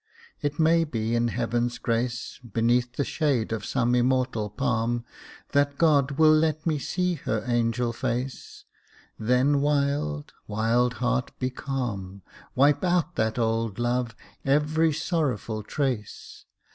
It may be in Heaven's grace, Beneath the shade of some immortal palm, That God will let me see her angel face; Then wild, wild heart be calm, Wipe out that old love, every sorrowful trace.